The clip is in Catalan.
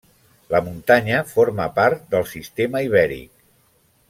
La muntanya forma part del Sistema Ibèric.